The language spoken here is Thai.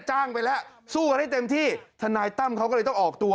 ไปแล้วสู้กันให้เต็มที่ทนายตั้มเขาก็เลยต้องออกตัว